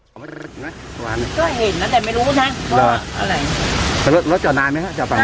ก็เห็นนะแต่ไม่รู้นะว่าอะไรรถรถจอดนานไหมฮะจอดตรงนั้น